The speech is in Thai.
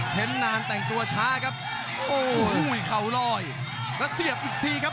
นานแต่งตัวช้าครับโอ้โหเข่าลอยแล้วเสียบอีกทีครับ